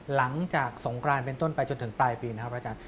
หลังจากสงกรานเป็นต้นไปจนถึงปลายปีนะครับพระอาจารย์